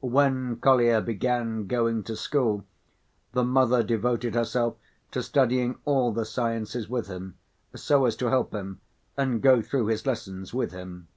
When Kolya began going to school, the mother devoted herself to studying all the sciences with him so as to help him, and go through his lessons with him.